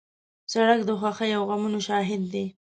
سړک د خوښۍ او غمونو شاهد دی.